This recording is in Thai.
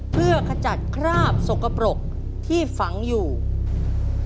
เพื่อขจัดคราบสกปรกที่ฝังความสุข